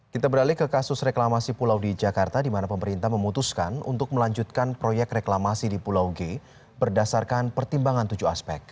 kita beralih ke kasus reklamasi pulau di jakarta di mana pemerintah memutuskan untuk melanjutkan proyek reklamasi di pulau g berdasarkan pertimbangan tujuh aspek